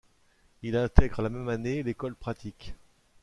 Il intègre la même année l'École pratique.